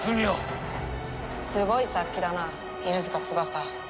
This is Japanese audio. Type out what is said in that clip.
すごい殺気だな犬塚翼。